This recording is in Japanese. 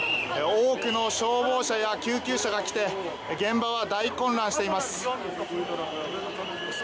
多くの消防車や救急車が来て現場は大混乱しています。